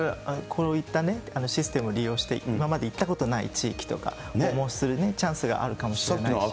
こういったシステムを利用して、今まで行ったことない地域とか訪問するチャンスがあるかもしれないし。